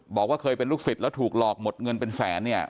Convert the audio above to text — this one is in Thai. บอกว่าเคยเป็นลูกศิษย์แล้วถูกหลอกหมดเงินเป็นแสนเนี่ย